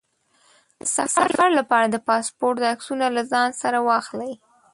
د سفر لپاره د پاسپورټ عکسونه له ځان سره واخلئ.